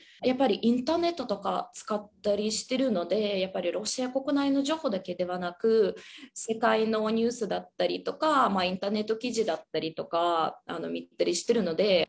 やっぱりインターネットとか使ったりしてるので、やっぱりロシア国内の情報だけではなく、世界のニュースだったりとか、インターネット記事だったりとか見たりしてるので。